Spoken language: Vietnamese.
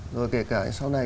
rồi kể cả sau này